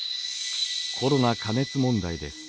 コロナ加熱問題です。